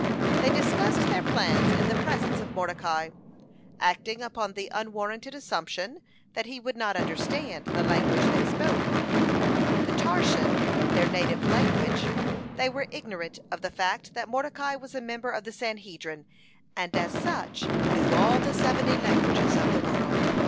They discussed their plans in the presence of Mordecai, acting upon the unwarranted assumption, that he would not understand the language they spoke, the Tarsian, their native tongue. They were ignorant of the fact, that Mordecai was a member of the Sanhedrin, and as such knew all the seventy languages of the world.